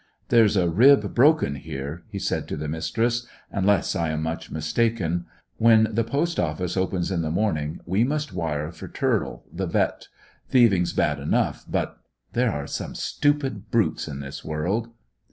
"There is a rib broken here," he said to the Mistress, "unless I am much mistaken. When the post office opens in the morning we must wire for Turle, the vet. Thieving's bad enough, but there are some stupid brutes in this world!"